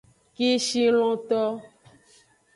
Kishilonto.